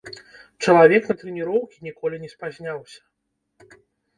Чалавек на трэніроўкі ніколі не спазняўся.